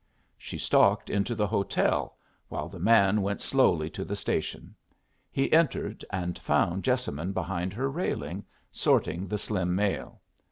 She stalked into the hotel, while the man went slowly to the station. He entered, and found Jessamine behind her railing, sorting the slim mail.